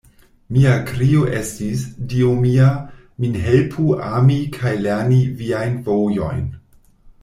Mia krio estis, Dio mia, min helpu ami kaj lerni Viajn vojojn.